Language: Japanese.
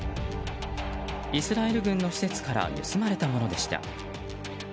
イスラエル軍の施設から盗まれたものでした。